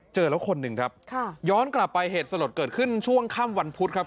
เจอแล้วคนหนึ่งครับค่ะย้อนกลับไปเหตุสลดเกิดขึ้นช่วงค่ำวันพุธครับ